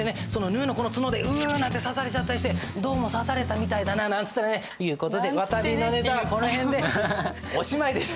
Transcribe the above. ヌーのこの角でウなんて刺されちゃったりしてどうも刺されたみたいだななんつってね。という事でわたびのネタはこの辺でおしまいです。